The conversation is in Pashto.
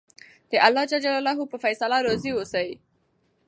د اللهﷻ په فیصله راضي اوسئ.